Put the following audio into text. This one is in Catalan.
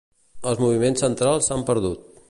Els moviments centrals s'han perdut.